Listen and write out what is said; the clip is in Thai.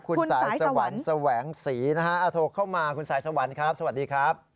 คุณสายสวรรค์แสวงศรีนะฮะโทรเข้ามาคุณสายสวรรค์ครับสวัสดีครับ